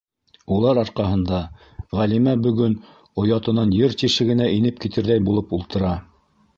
Улар арҡаһында Ғәлимә бөгөн оятынан ер тишегенә инеп китерҙәй булып ултыра...